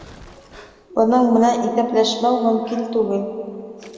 Бының менән иҫәпләшмәү мөмкин түгел.